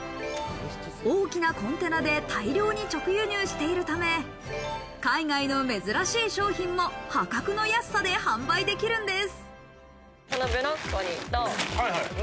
大きなコンテナで大量に直輸入しているため、海外の珍しい商品も破格の安さで販売できるんです。